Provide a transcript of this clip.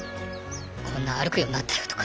こんな歩くようになったよとか。